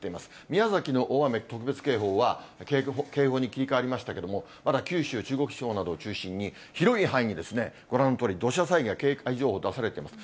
宮崎の大雨特別警報は、警報に切り替わりましたけれども、まだ九州、中国地方などを中心に、広い範囲にご覧のとおり、土砂災害警戒情報が出されています。